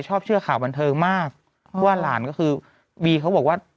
ชอบเชื่อข่าวบันเทิงมากว่าหลานก็คือบีเขาบอกว่า